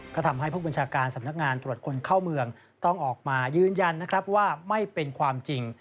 ก็ทำให้ผู้บัญชาการสำนักงานตรวจคนเข้าเมืองต้องออกมายืนยันนะครับว่าไม่เป็นความจริง